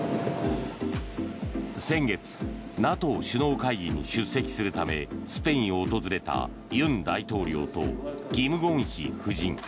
先月、ＮＡＴＯ首脳会議に出席するためスペインを訪れた尹大統領とキム・ゴンヒ夫人。